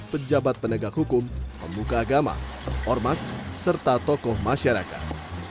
pejabat penegak hukum pemuka agama ormas serta tokoh masyarakat